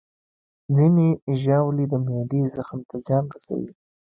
ځینې ژاولې د معدې زخم ته زیان رسوي.